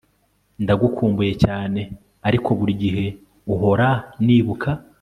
ndagukumbuye cyane, ariko burigihe uhora nibuka